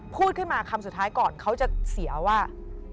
พูดขึ้นมาคำสุดท้ายก่อนเขาจะเสียว่า